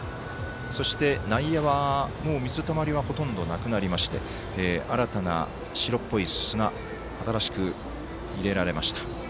そして内野は、もう水たまりはほとんどなくなりまして新たな白っぽい砂新しく入れられました。